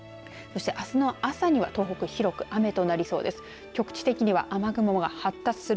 そして、あすの朝には東北広く雨となりそうです。